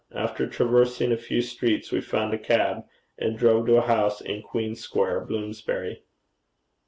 After traversing a few streets, we found a cab, and drove to a house in Queen Square, Bloomsbury.